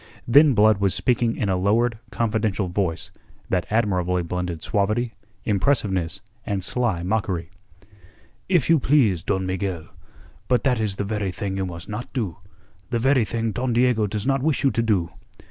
Then Blood was speaking in a lowered, confidential voice that admirably blended suavity, impressiveness, and sly mockery. "If you please, Don Miguel, but that is the very thing you must not do the very thing Don Diego does not wish you to do.